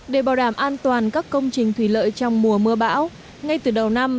để bảo đảm an toàn các công trình thủy lợi trong mùa mưa bão ngay từ đầu năm